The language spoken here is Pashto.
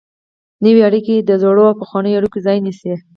نوې اړیکې د زړو او پخوانیو اړیکو ځای نیسي.